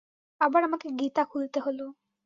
আবার আমাকে গীতা খুলতে হল।